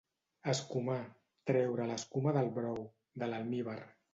escumar: treure l'escuma del brou, de l'almívar